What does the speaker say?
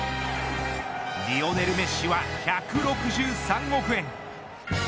リオネル・メッシは１６３億円。